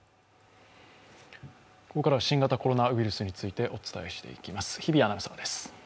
ここからは新型コロナウイルスについてお伝えしていきます。